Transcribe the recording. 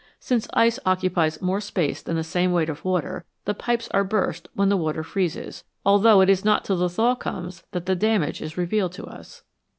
Since ice occupies more space than the same weight of water, the pipes are burst when the water freezes, although it is not till the thaw comes that the damage is revealed to us.